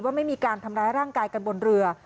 ไม่มีการทำร้ายร่างกายกันบนเรือ